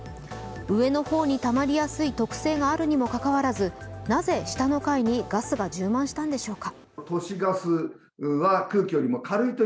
上の方にたまりやすい特性があるにもかかわらずなぜ下の階にガスが充満したのでしょうか？